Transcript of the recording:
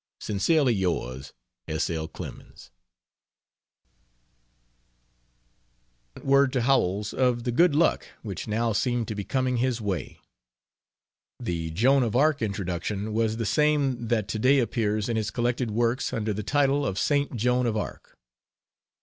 Sincerely Yours S. L. CLEMENS. On the same day he sent word to Howells of the good luck which now seemed to be coming his way. The Joan of Arc introduction was the same that today appears in his collected works under the title of Saint Joan of Arc.